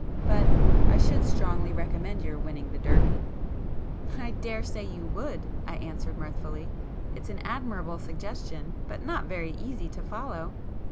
But I should strongly recommend your winning the Derby." [p 67]"I daresay you would!" I answered mirthfully—"It's an admirable suggestion,—but not very easy to follow!"